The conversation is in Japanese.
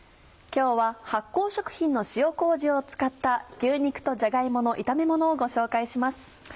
今日は発酵食品の塩麹を使った牛肉とじゃが芋の炒めものをご紹介します。